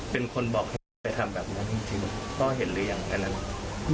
เป็นคนบอกว่าจะเขาไปทำแบบนี้จริงพ่อเห็นหรือยังอันนั้น